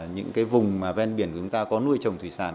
những cái vùng mà ven biển của chúng ta có nuôi trồng thủy sản